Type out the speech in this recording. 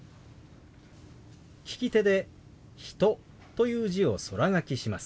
利き手で「人」という字を空書きします。